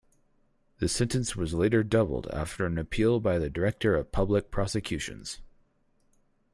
The sentence was later doubled after an appeal by the Director of Public Prosecutions.